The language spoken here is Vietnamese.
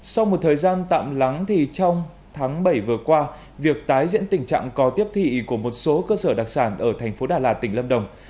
sau một thời gian tạm lắng trong tháng bảy vừa qua việc tái diễn tình trạng co tiếp thị của một số cơ sở đặc sản ở thành phố đà lạt tỉnh lâm đồng